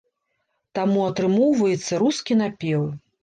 Таму атрымоўваецца рускі напеў.